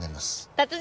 達人